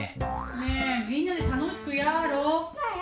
ねえみんなで楽しくやろう。